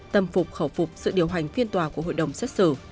tâm phục khẩu phục sự điều hành phiên tòa của hội đồng xét xử